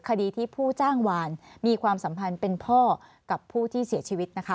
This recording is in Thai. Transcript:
คดีที่ผู้จ้างวานมีความสัมพันธ์เป็นพ่อกับผู้ที่เสียชีวิตนะคะ